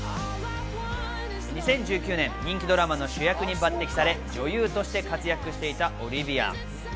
２０１９年、人気ドラマの主役に抜擢され女優として活躍していたオリヴィア。